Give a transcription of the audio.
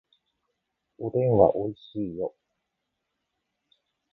おでんはおいしいよ